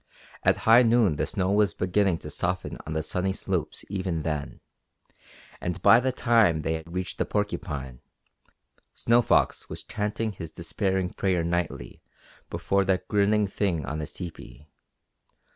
At high noon the snow was beginning to soften on the sunny slopes even then, and by the time they reached the Porcupine, Snow Fox was chanting his despairing prayer nightly before that grinning thing on his tepee.